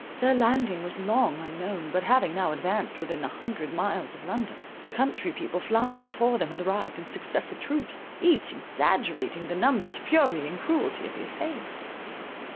Their landing was long unknown, but having now advanced within an hundred miles of London, the country people flying before them arrived in successive troops, each exaggerating the numbers, fury, and cruelty of the assailants.